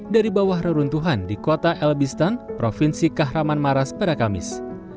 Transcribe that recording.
dari bawah reruntuhan di kota elbistan provinsi kahraman maras pada kamis